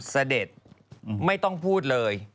เสด็จไม่ต้องพูดเลย